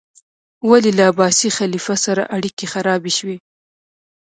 ولې له عباسي خلیفه سره اړیکې خرابې شوې؟